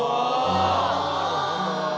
なるほど。